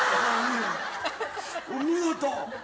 お見事！